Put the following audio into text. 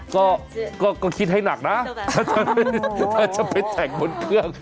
ก็ก็คิดให้หนักนะถ้าจะไปแข่งบนเครื่อง